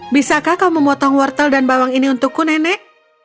bisakah kau memotong wortel dan bawang ini untukku nenek